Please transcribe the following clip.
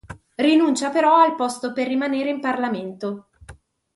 Rinuncia però al posto per rimanere in Parlamento.